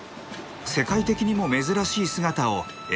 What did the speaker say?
世界的にも珍しい姿を映像に捉えました。